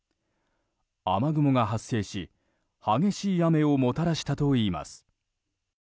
雨雲が発生し、激しい雨をもたらしたといいます。